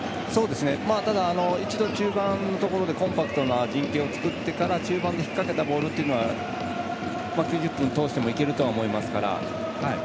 ただ、一度中盤のところでコンパクトな陣形を作ってから中盤で引っ掛けたボールは９０分通してもいけると思いますから。